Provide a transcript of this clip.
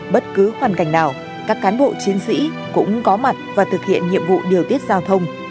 bất cứ hoàn cảnh nào các cán bộ chiến sĩ cũng có mặt và thực hiện nhiệm vụ điều tiết giao thông